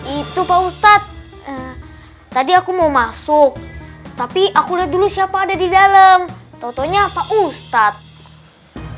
itu pak ustadz tadi aku mau masuk tapi aku lihat dulu siapa ada di dalam tau taunya apa ustadz